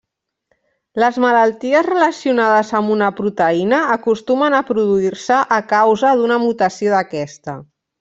Les malalties relacionades amb una proteïna acostumen a produir-se a causa d'una mutació d'aquesta.